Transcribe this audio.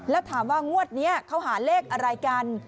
แล้วถามว่างวดนี้เขาหาเลขอะไรกัน